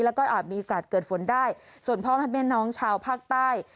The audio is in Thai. แล้วก็อาจมีโอกาสเกิดฝนได้ส่วนพ่อแม่น้องชาวภาคใต้